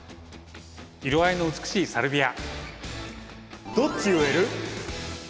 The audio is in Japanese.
色合いの美しいサルビア！